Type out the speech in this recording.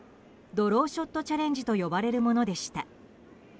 ドローショットチャレンジと呼ばれるものでした。